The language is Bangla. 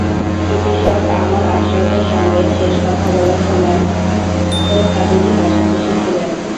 চিকিৎসক আমর আশরাফের সঙ্গে শেষ কথা বলার সময় শহীদ কাদরী হাসিখুশি ছিলেন।